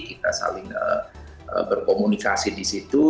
kita saling berkomunikasi di situ